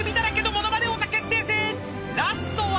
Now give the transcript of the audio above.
［ラストは］